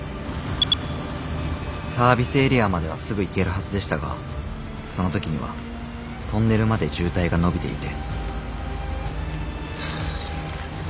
サービスエリアまではすぐ行けるはずでしたがその時にはトンネルまで渋滞がのびていて。